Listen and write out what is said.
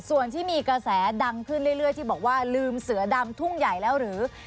ส่วนที่มีกระแสดังขึ้นเรื่อยที่บอกว่าลืมเสือดำทุ่งใหญ่แล้วหรือ